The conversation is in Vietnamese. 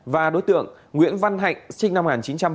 và đối tượng nguyễn văn hạnh sinh năm một nghìn chín trăm bảy mươi sáu